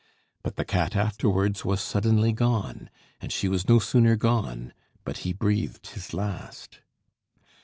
But the cat afterwards was suddenly gone, and she was no sooner gone, but he breathed his last."